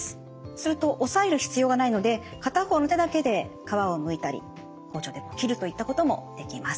すると押さえる必要がないので片方の手だけで皮をむいたり包丁で切るといったこともできます。